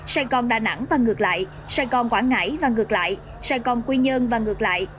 sài gòn đà nẵng và ngược lại sài gòn quảng ngãi và ngược lại sài gòn quy nhơn và ngược lại